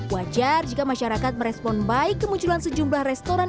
wajar jika masyarakat merespon baik kemunculan sejumlah restoran